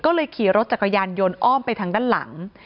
ก็เลยขี่รถจักรยานยนต์อ้อมไปทางด้านหลัง